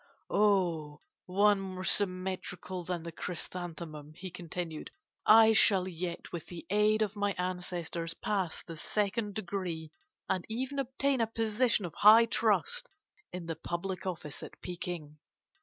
'O one more symmetrical than the chrysanthemum,' he continued, 'I shall yet, with the aid of my ancestors, pass the second degree, and even obtain a position of high trust in the public office at Peking.